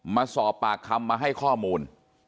มาสอบปากคำมาให้ข้อมูล